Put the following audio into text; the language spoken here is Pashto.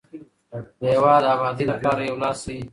د هیواد د ابادۍ لپاره یو لاس شئ.